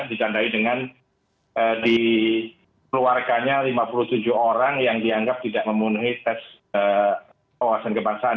ditandai dengan di keluarganya lima puluh tujuh orang yang dianggap tidak memenuhi tes kewasan kebangsaan